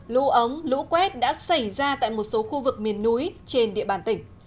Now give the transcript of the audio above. lũ ống lũ quét đã xảy ra tại một số khu vực miền núi trên địa bàn tỉnh